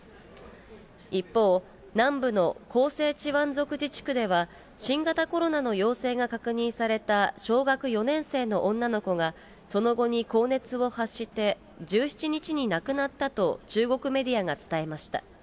一方、南部の広西チワン族自治区では、新型コロナの陽性が確認された小学４年生の女の子が、その後に高熱を発して、１７日に亡くなったと中国メディアが伝えました。